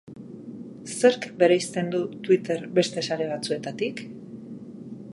Zerk bereizten du Twitter beste sare batzuetatik?